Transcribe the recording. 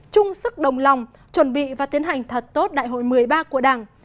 chung sức đồng lòng chuẩn bị và tiến hành thật tốt đại hội một mươi ba của đảng